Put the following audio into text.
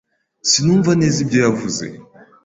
Sinumva neza ibyo yavuze.